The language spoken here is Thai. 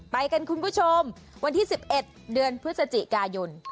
ไปกันคุณผู้ชมวันที่๑๑เดือนพฤศจิกายน